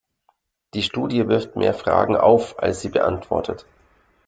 Die Studie wirft mehr Fragen auf, als sie beantwortet.